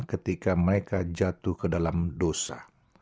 ketika mereka jatuh ke dalam dosa